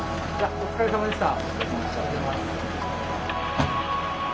お疲れさまでした。